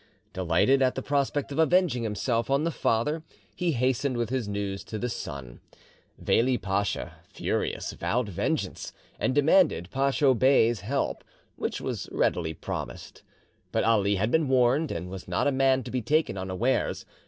Delighted at the prospect of avenging himself on the father, he hastened with his news to the son. Veli Pacha, furious, vowed vengeance, and demanded Pacho Bey's help, which was readily promised. But Ali had been warned, and was not a man to be taken unawares.